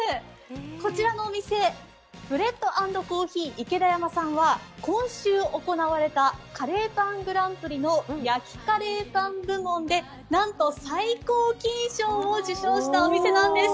こちらのお店ブレッド＆コーヒーイケダヤマさんは、今週行われたカレーパングランプリの焼きカレーパン部門でなんと最高金賞を受賞したお店なんです。